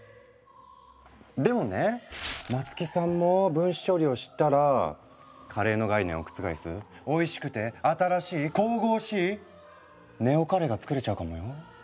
でもね松木さんも分子調理を知ったらカレーの概念を覆すおいしくて新しい神々しいネオカレーが作れちゃうかもよ。